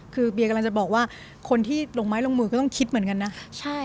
คือเบียกำลังจะบอกว่าคนที่ลงไม้ลงมือก็ต้องคิดเหมือนกันนะ